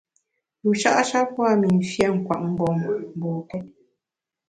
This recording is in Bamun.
Yusha’ sha pua’ mi mfiét nkwet mgbom mbokét.